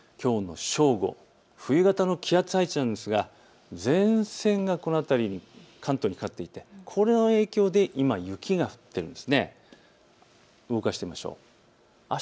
きょうの正午、冬型の気圧配置なんですが前線がこの辺り関東にかかっていてこの影響で今、雪が降っているんです。